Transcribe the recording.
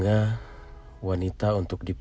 saya meminta tuhan yang drauf